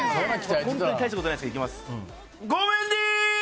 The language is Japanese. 本当に大したことないですけどいきます。